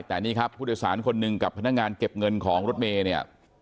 แต่นี่ครับผู้โดยสารคนหนึ่งกับพนักงานเก็บเงินของรถเมย์เนี่ย